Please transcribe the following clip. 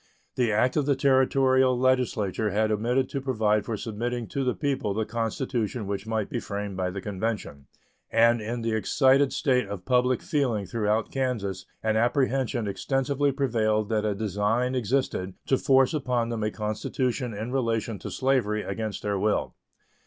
The act of the Territorial legislature had omitted to provide for submitting to the people the constitution which might be framed by the convention, and in the excited state of public feeling throughout Kansas an apprehension extensively prevailed that a design existed to force upon them a constitution in relation to slavery against their will.